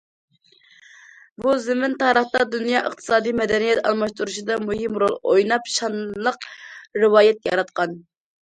بۇ زېمىن تارىختا دۇنيا ئىقتىسادى، مەدەنىيەت ئالماشتۇرۇشىدا مۇھىم رول ئويناپ شانلىق رىۋايەت ياراتقان.